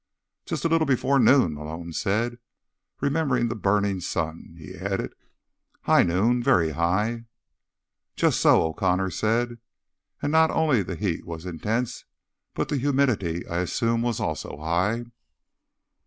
"Just a little before noon," Malone said. Remembering the burning sun, he added: "High noon. Very high." "Just so," O'Connor said. "And not only the heat was intense; the humidity, I assume, was also high."